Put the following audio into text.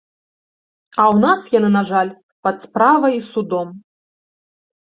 А ў нас яны, на жаль, пад справай і судом.